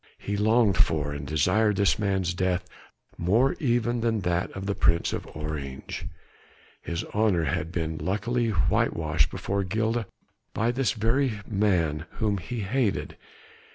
He longed for and desired this man's death more even than that of the Prince of Orange. His honour had been luckily white washed before Gilda by this very man whom he hated.